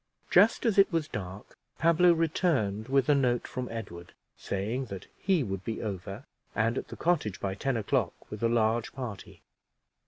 Just as it was dark, Pablo returned with a note from Edward, saying that he would be over, and at the cottage by ten o'clock, with a large party.